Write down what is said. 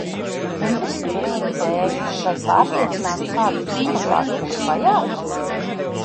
Un viss cerību dēļ, lai pārliecinātu kādu psihopātu mūs vajāt?